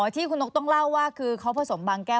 ที่คุณนกต้องเล่าว่าคือเขาผสมบางแก้ว